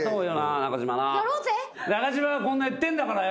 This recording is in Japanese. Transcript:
中島がこんな言ってんだからよ